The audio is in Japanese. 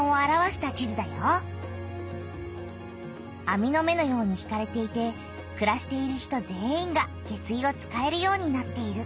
あみの目のように引かれていてくらしている人全員が下水を使えるようになっている。